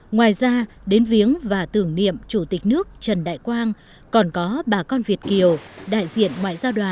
ngoài ra đến viếng và tưởng niệm chủ tịch nước trần đại quang còn có bà con việt kiều đại diện ngoại giao đoàn